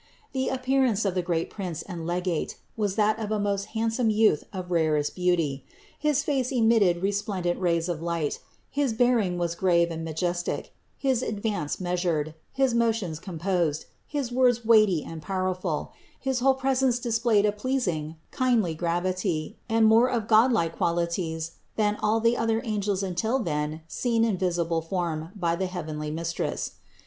The appearance of the great prince and legate was that of a most hand some youth of rarest beauty; his face emitted resplen dent rays of light, his bearing was grave and majestic, his advance measured, his motions composed, his words weighty and powerful, his whole presence displayed a pleasing, kindly gravity and more of godlike qualities than all the other angels until then seen in visible form by the heavenly Mistress.